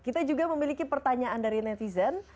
kita juga memiliki pertanyaan dari netizen